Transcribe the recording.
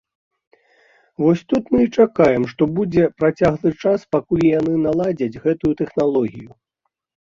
Вось тут мы і чакаем, што будзе працяглы час, пакуль яны наладзяць гэтую тэхналогію.